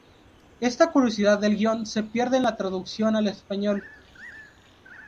Esta curiosidad del guion se pierde en la traducción al español.